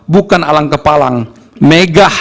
bukan alang kepalang megah